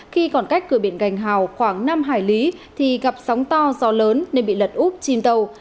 khi còn cách cửa biển gành hào khoảng năm hải lý thì gặp sóng to gió lớn nên bị lật úp chìm tàu